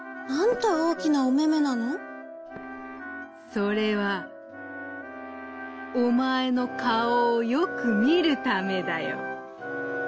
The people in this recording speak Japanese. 「それはおまえのかおをよくみるためだよ」。